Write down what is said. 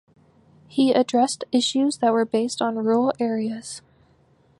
He addressed issues that were based on rural areas.